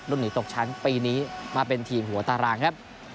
หนีตกชั้นปีนี้มาเป็นทีมหัวตารางครับ